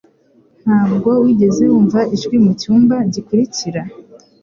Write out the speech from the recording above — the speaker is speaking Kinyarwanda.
Ntabwo wigeze wumva ijwi mucyumba gikurikira?